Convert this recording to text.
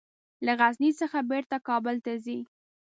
له غزني څخه بیرته کابل ته ځي.